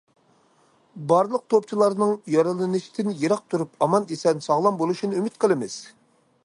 بارلىق توپچىلارنىڭ يارىلىنىشتىن يىراق تۇرۇپ، ئامان- ئېسەن، ساغلام بولۇشىنى ئۈمىد قىلىمىز!